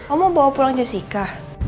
oh mau bawa pulang jessica